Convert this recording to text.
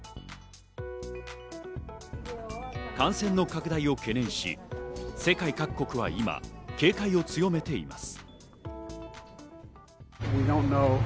感染の拡大を懸念し、世界各国は今、警戒を強めています。